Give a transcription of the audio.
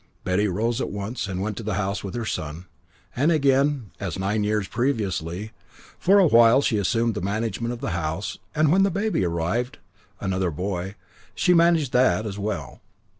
Betty rose at once, and went to the house with her son, and again as nine years previously for a while she assumed the management of the house; and when a baby arrived, another boy, she managed that as well.